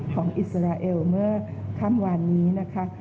อิสราเอลเมื่อค่ำวานนี้นะคะ